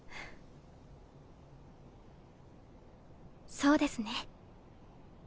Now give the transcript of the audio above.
そうですね。